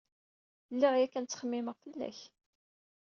Lliɣ yakan ttxemmimeɣ fell-ak.